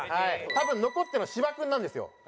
多分残ってるの芝君なんですよ。